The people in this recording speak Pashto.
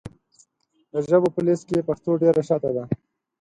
د ژبو په لېسټ کې پښتو ډېره شاته ده .